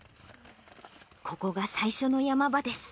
ここが最初のヤマ場です。